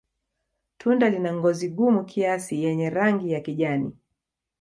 Tunda lina ngozi gumu kiasi yenye rangi ya kijani.